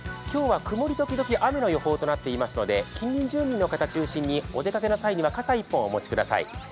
今日は曇り時々雨の予報となっていますので、近隣住民の方を中心にお出かけの際には傘一本お持ちください。